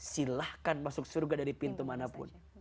silahkan masuk surga dari pintu manapun